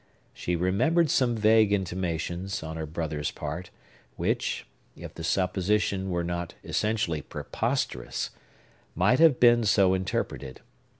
She remembered some vague intimations, on her brother's part, which—if the supposition were not essentially preposterous—might have been so interpreted.